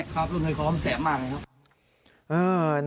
ครับต้องเงยคอมันแสบมากนะครับ